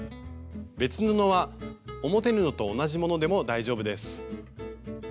別布は表布と同じものでも大丈夫です。